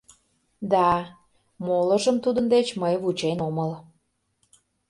Да, молыжым тудын деч мый вучен омыл.